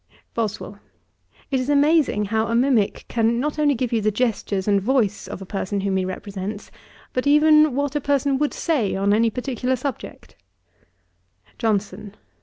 BOSWELL. 'It is amazing how a mimick can not only give you the gestures and voice of a person whom he represents; but even what a person would say on any particular subject.' JOHNSON.